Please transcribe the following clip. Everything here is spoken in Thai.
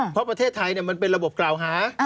เพราะประเทศไทยมันเป็นระบบกล่าวหา